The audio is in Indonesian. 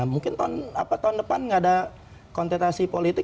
mungkin tahun depan nggak ada kontestasi politik